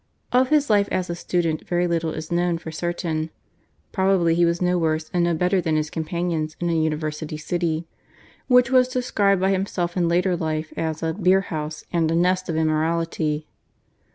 Of his life as a student very little is known for certain. Probably he was no worse and no better than his companions in a university city, which was described by himself in later life as a "beerhouse" and a "nest of immorality."